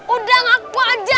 udah ngakuah aja